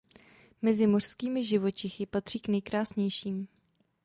Mezi mořskými živočichy patří k nejkrásnějším.